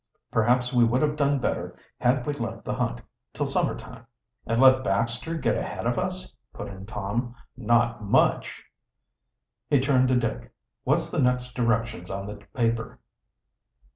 "Perhaps we would have done better had we left the hunt till summer time." "And let Baxter get ahead of us?" put in Tom. "Not much!" He turned to Dick. "What's the next directions on the paper?"